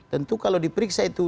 tentu kalau diperiksa itu